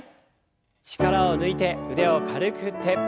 力を抜いて腕を軽く振って。